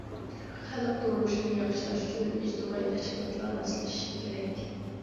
خەلق تۇرمۇشىنى ياخشىلاش ئۈچۈن ئىجتىمائىي تەشكىلاتلار ماسلىشىشى كېرەك.